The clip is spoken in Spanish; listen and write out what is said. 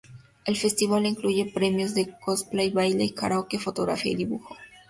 El festival incluye premios de cosplay, baile, karaoke, fotografía y dibujo.